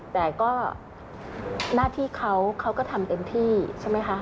แต่ก็หน้าที่เขาเขาก็ทำเต็มที่ใช่ไหมคะ